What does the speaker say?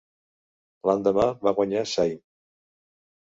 L'endemà va guanyar Sain.